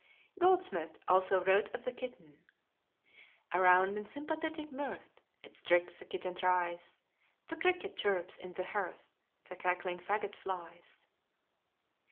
Goldsmith also wrote of the kitten: "Around in sympathetic mirth Its tricks the kitten tries: The cricket chirrups in the hearth, The crackling fagot flies."